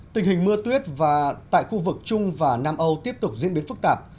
tình hình mưa tuyết và tại khu vực trung và nam âu tiếp tục diễn biến phức tạp